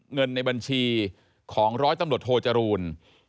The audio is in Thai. เงินในบัญชีของร้อยตำรวจโทจรูล